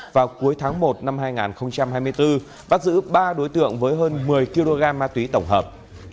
vào cuối tháng một năm hai nghìn hai mươi bốn bắt giữ ba đối tượng với hơn một mươi kg ma túy tổng hợp